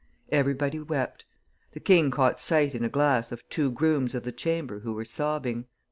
Everybody wept. The king caught sight in a glass of two grooms of the chamber who were sobbing.